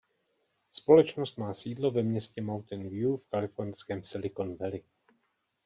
Společnost má sídlo ve městě Mountain View v kalifornském Silicon Valley.